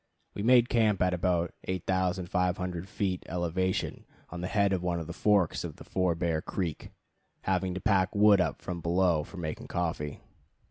We made camp at about 8500 feet elevation on the head of one of the forks of Four Bear Creek, having to pack wood up from below for making coffee.